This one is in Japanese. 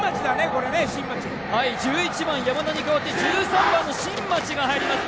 これね新町１１番山田にかわって１３番の新町が入ります